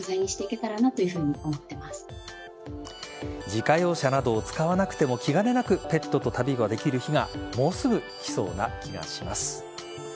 自家用車などを使わなくても気兼ねなくペットと旅ができる日がもうすぐ来そうな気がします。